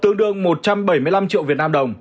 tương đương một trăm bảy mươi năm triệu việt nam đồng